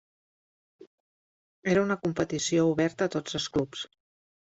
Era una competició oberta a tots els clubs.